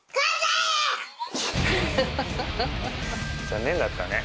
残念だったね。